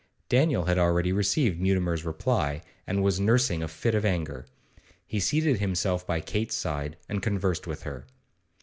Daniel had already received Mutimer's reply, and was nursing a fit of anger. He seated himself by Kate's side, and conversed with her.